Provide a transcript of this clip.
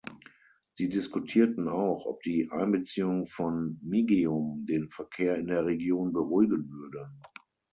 Sie diskutierten auch, ob die Einbeziehung von Migeum den Verkehr in der Region beruhigen würde.